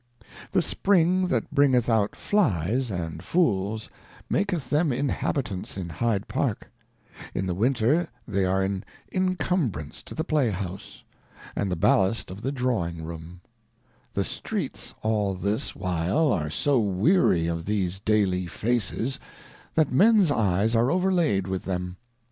The Spring that bringeth out Flies, and Fools, maketh them Inhabitants in Hide Park ; in the Winter they are an Incumbrance to the Play House, and the Ballast of the Drawing Room, The Streets all this while are so weary of these daily Faces, that Men's Eyes are over laid with them.